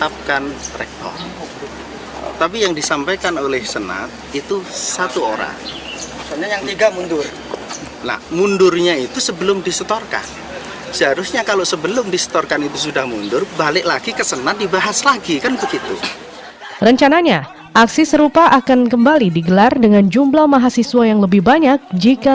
pihak yayasan tengah mengupayakan pemilihan rektor sesuai prosedur dan mekanisme yang benar